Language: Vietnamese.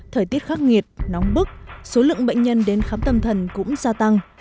thời tiết khắc nghiệt nóng bức số lượng bệnh nhân đến khám tâm thần cũng gia tăng